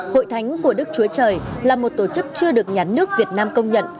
hội thánh của đức chúa trời là một tổ chức chưa được nhà nước việt nam công nhận